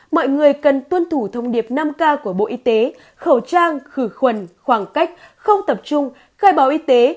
mọi người cần tuân thủ thông điệp năm k của bộ y tế khẩu trang khử khuẩn khoảng cách không tập trung khai báo y tế